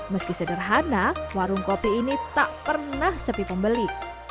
meski sederhana warung kopi ini tak pernah sepi pembeli